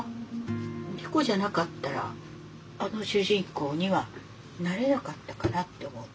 猫じゃなかったらあの主人公にはなれなかったかなって思う。